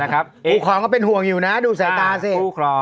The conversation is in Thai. คู่ครองก็เป็นห่วงอยู่นะดูสายตาสิ